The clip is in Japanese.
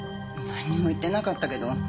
何も言ってなかったけど。